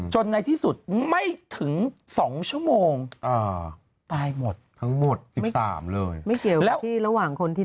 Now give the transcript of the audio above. ในที่สุดไม่ถึง๒ชั่วโมงตายหมดทั้งหมด๑๓เลยไม่เกี่ยวกับที่ระหว่างคนที่